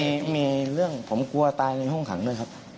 มีเรื่องผมกลัวตายในห้องขังด้วยครับ